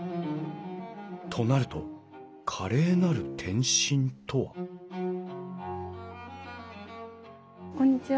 となると華麗なる転身とはこんにちは。